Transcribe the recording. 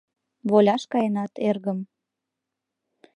— Воляш каенат, эргым.